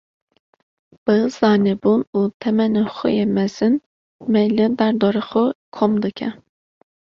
Bi zanebûn û temenê xwe yê mezin, me li derdora xwe kom dike.